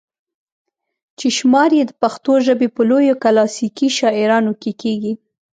چې شمار ئې د پښتو ژبې پۀ لويو کلاسيکي شاعرانو کښې کيږي